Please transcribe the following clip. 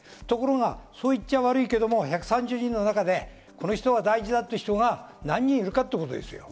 ところが、そう言っちゃ悪いけど１３０人の中でこの人は大事だって人が何人いるかっていうことですよ。